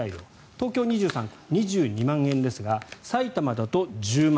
東京２３区、２２万円ですが埼玉だと１０万